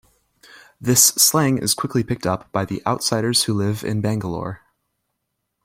This slang is quickly picked up by the outsiders who live in Bangalore.